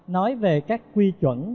nói về các quy chuẩn